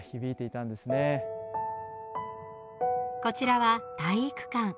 こちらは体育館。